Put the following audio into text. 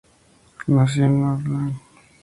Nació en Örnsköldsvik.